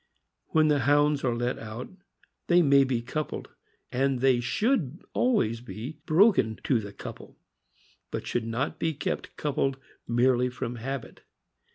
When the Hounds are let out, they may be coupled; and they should always be broken to the couple, but should not be kept coupled merely from habit.